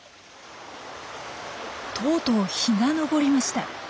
とうとう日が昇りました。